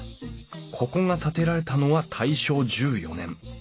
ここが建てられたのは大正１４年。